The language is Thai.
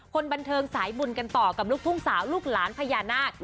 คนบันเทิงสายบุญกันต่อกับลูกทุ่งสาวลูกหลานพญานาค